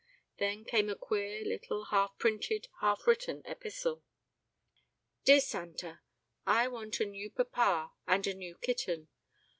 Then came a queer little, half printed, half written epistle: "DEAR SANTA: _I want a new papa and a new kitten.